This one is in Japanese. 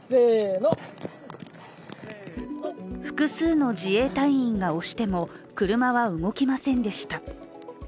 複数の自衛隊員が押しても車は動きませんでした。